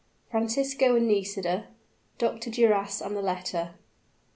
FRANCISCO AND NISIDA DR. DURAS AND THE LETTER.